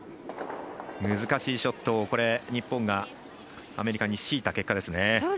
難しいショットを日本がアメリカにしいた結果ですね。